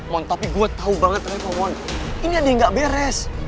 mon tapi gue tau banget reva mon ini dia yang gak beres